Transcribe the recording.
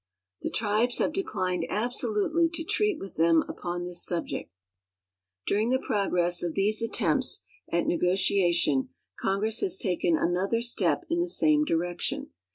The tribes have declined abso lutely to treat with them upon this subject. During the progress of these attempts at negotiation Congress has taken another step in the same direction.